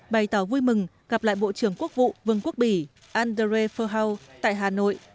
bày tỏ vui mừng gặp lại bộ trưởng quốc vụ vương quốc bỉ andré verhaal tại hà nội